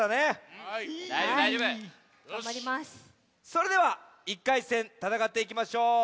それでは１回戦たたかっていきましょう。